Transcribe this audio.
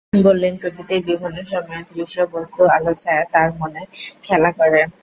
বললেন, প্রকৃতির বিভিন্ন সময়ের দৃশ্য, বস্তু, আলোছায়া তাঁর মনে খেলা করে।